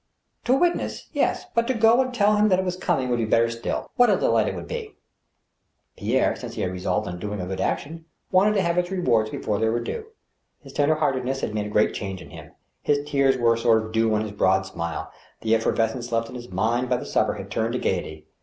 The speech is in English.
To witness ?— ^yes, but to go and tell them it was coming would be better still. What a delight it would be ! Pierre, since he had resolved on doing a good action, wanted to have its rewards before they were due. His tender heartedness had made a great change in him. His tears were a sort of dew on his broad smile. The effervescence left in his mind by the supper had turned to gayety.